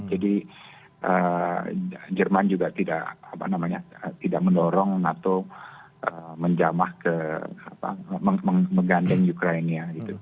jadi jerman juga tidak menolong nato menjamah ke menggantikan ukraina